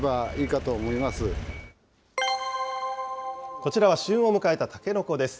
こちらは旬を迎えたたけのこです。